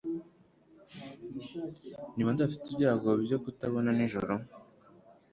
ni ba nde bafite ibyago byo kutabona nijoro